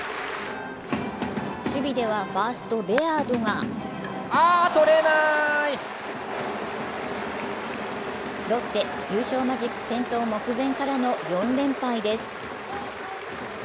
守備ではファースト・レアードがロッテ、優勝マジック点灯目前からの４連敗です。